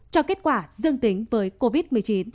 cho kết quả dương tính với covid một mươi chín